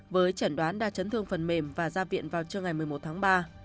với chẩn đoán đa chấn thương phần mềm và ra viện vào trưa ngày một mươi một tháng ba